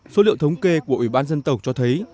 số liệu thống kê của ủy ban dân tộc cho thấy